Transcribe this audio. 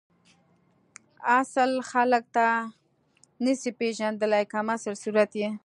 اصل خلک ته نسی پیژندلی کمسل صورت یی